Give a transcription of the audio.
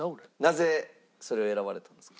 なぜそれを選ばれたんですか？